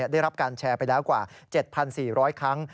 ได้รับการแชร์ไปแล้วกว่า๗๔๐๐ครั้ง